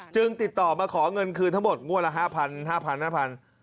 ติดต่อมาขอเงินคืนทั้งหมดงวดละ๕๐๐๕๐๐บาท